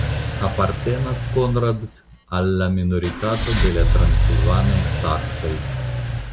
Apartenas Konradt al la minoritato de la transilvaniaj saksoj.